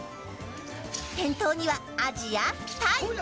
店頭にはアジやタイ。